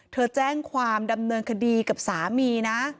แจ้งความดำเนินคดีกับสามีนะ